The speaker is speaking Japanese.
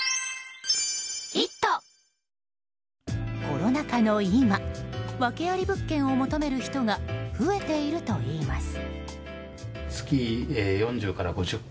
コロナ禍の今ワケあり物件を求める人が増えているといいます。